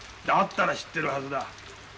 だったら知ってるはずだ。